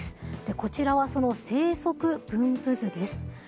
こちらはその生息分布図です。